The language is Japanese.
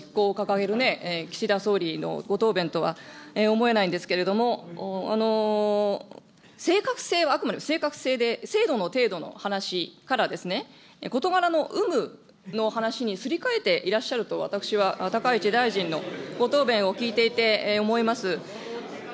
決断と実行を掲げるね、岸田総理のご答弁とは思えないんですけれども、正確性はあくまで正確性で、制度の程度の話からですね、事柄の有無の話にすり替えていらっしゃると、私は、高市大臣のご答弁を聞いていて思います。